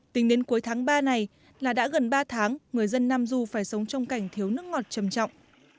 tính đến cuối tháng ba này là đã gần ba tháng người dân nam du phải sống trong cảnh thiếu nước ngọt trầm trọng